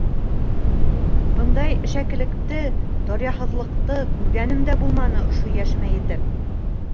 Бындай әшәкелекте, даръяһыҙлыҡты күргәнем дә булманы ошо йәшемә етеп.